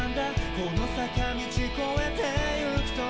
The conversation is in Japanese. この坂道超えて行くと」